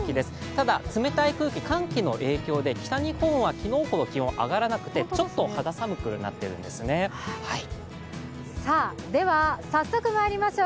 ただ、冷たい空気、寒気影響で北日本は昨日ほど気温、上がらなくて、ちょっと肌寒くなってるんですでは、早速まいりましょう。